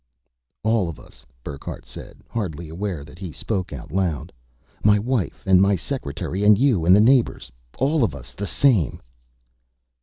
"All of us," Burckhardt said, hardly aware that he spoke out loud. "My wife and my secretary and you and the neighbors. All of us the same."